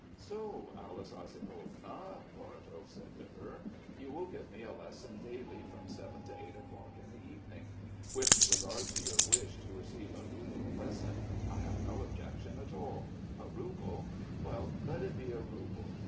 "So, Alice Ossipovna," Vorotov said to her, "you will give me a lesson daily from seven to eight o'clock in the evening. With regard to your wish to receive a rouble a lesson, I have no objection at all. A rouble well, let it be a rouble...."